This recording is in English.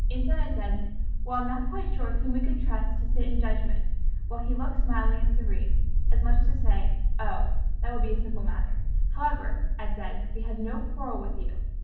Instead, I said, "Well, I'm not quite sure whom we could trust to sit in judgment"—while he looked smiling and serene, as much as to say, "Oh, that would be a simple matter." "However," I said, "we have no quarrel with you.